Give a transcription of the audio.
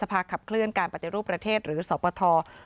ภาคับเคลื่อนการปฏิรูปประเทศหรือสปท